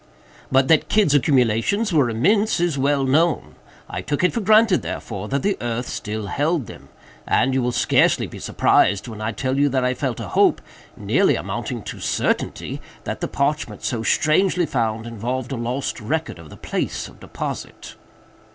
"But that Kidd's accumulations were immense, is well known. I took it for granted, therefore, that the earth still held them; and you will scarcely be surprised when I tell you that I felt a hope, nearly amounting to certainty, that the parchment so strangely found, involved a lost record of the place of deposit."